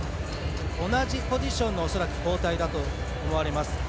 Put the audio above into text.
同じポジションの恐らく交代だと思われます。